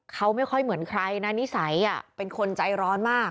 เขาไม่ค่อยเหมือนใครนะนิสัยเป็นคนใจร้อนมาก